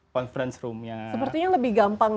conference room nya sepertinya lebih gampang